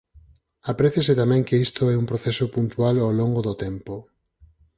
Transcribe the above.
Apréciese tamén que isto é un proceso puntual ao longo do tempo.